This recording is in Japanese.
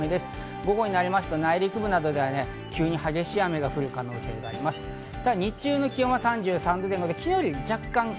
午後になりますと、内陸部などで急に激しい雨が降る可能性があり週末占いスッキりす。